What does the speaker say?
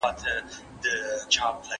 زه له سهاره د ښوونځي کتابونه مطالعه کوم!؟